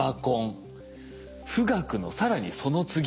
富岳の更にその次。